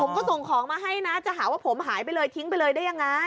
ผมก็ส่งของมาให้นะจะหาว่าผมหายไปเลยทิ้งไปเลยได้ยังไง